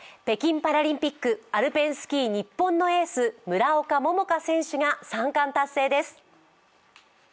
北京パラリンピック、アルペンスキー、日本のエース、村岡桃佳選手が三冠達成です。